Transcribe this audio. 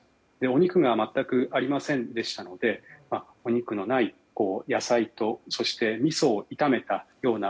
お肉が全くありませんでしたのでお肉のない野菜と味噌を炒めたような